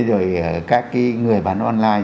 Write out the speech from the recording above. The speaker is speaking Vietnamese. rồi các cái người bán online